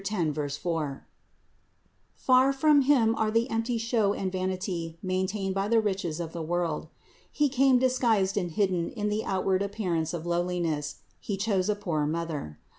10, 4) ; far from Him are the empty show and vanity maintained by the riches of the world. He came disguised and hidden in the outward appearance of lowliness; He chose a poor Mother.